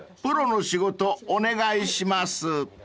プロの仕事お願いします］